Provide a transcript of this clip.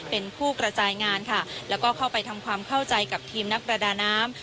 เป็นผู้กระจายงานค่ะแล้วก็เข้าไปทำความเข้าใจกับทีมนักประดาน้ำ